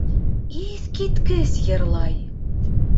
Иҫ киткес йырлай!